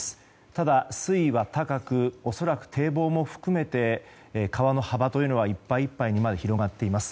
ただ、水位は高く恐らく堤防も含めて川の幅はいっぱいいっぱいにまで広がっています。